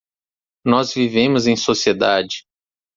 Nós vivemos em sociedade.